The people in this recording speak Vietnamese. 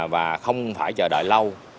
và không phải chờ đợi lâu